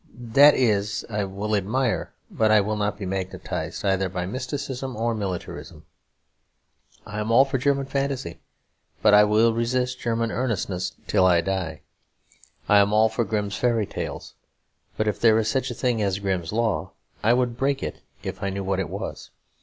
That is, I will admire, but I will not be magnetised, either by mysticism or militarism. I am all for German fantasy, but I will resist German earnestness till I die. I am all for Grimm's Fairy Tales; but if there is such a thing as Grimm's Law, I would break it, if I knew what it was.